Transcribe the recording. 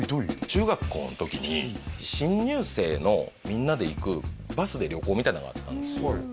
中学校の時に新入生のみんなで行くバスで旅行みたいなのがあったんですよ